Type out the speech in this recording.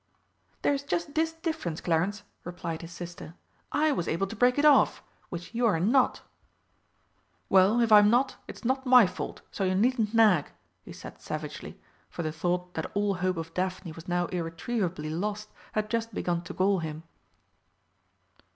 "There is just this difference, Clarence," replied his sister, "I was able to break it off which you are not." "Well, if I'm not, it's not my fault, so you needn't nag," he said savagely, for the thought that all hope of Daphne was now irretrievably lost had just begun to gall him.